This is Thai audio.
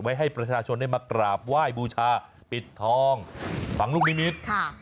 ให้ประชาชนได้มากราบไหว้บูชาปิดทองฝังลูกนิมิตร